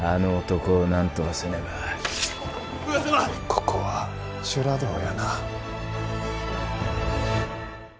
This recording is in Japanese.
ここは修羅道やな。